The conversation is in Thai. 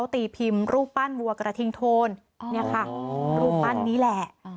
ตีพิมพ์รูปปั้นวัวกระทิงโทนเนี่ยค่ะรูปปั้นนี้แหละ